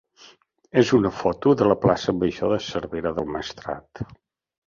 és una foto de la plaça major de Cervera del Maestrat.